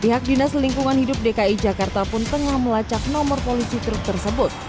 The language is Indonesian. pihak dinas lingkungan hidup dki jakarta pun tengah melacak nomor polisi truk tersebut